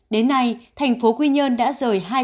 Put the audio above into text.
đến nay thành phố quy nhơn đã rời